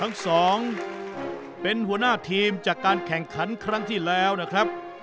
ทั้งสองเป็นหัวหน้าทีมจากการแข่งขันครั้งที่แล้วนะครับ